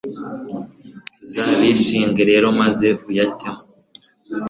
Uzabishinge rero maze uyatemo